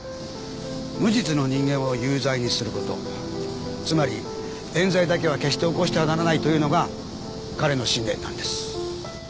無実の人間を有罪にする事つまり冤罪だけは決して起こしてはならないというのが彼の信念なんです。